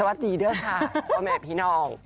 สวัสดีเด้อค่ะพอแหมพี่นอง